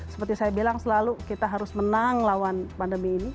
seperti saya bilang selalu kita harus menang lawan pandemi ini